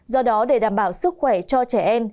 do đó để đảm bảo sức khỏe cho trẻ em